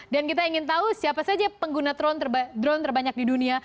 dan kita ingin tahu siapa saja pengguna drone terbanyak di dunia